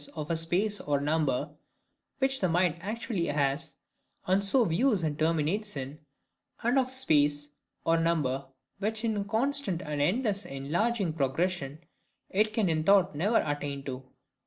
of a space or number which the mind actually has, and so views and terminates in; and of a space or number, which, in a constant and endless enlarging and progression, it can in thought never attain to.